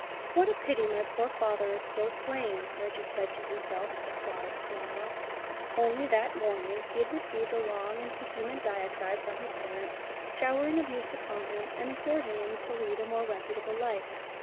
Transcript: "What a pity my poor father is so plain," Reggie said to himself with a quiet smile. Only that morning he had received a long and vehement diatribe from his parent, showering abuse upon him, and exhorting him to lead a more reputable life.